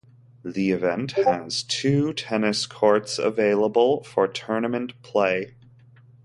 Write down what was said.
The event has two tennis courts available for tournament play.